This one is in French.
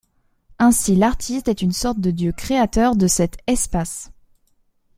Ainsi l'artiste est une sorte de dieu-créateur de cet espace.